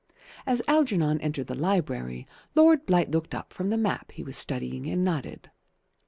As Algernon entered the library, Lord Blight looked up from the map he was studying and nodded.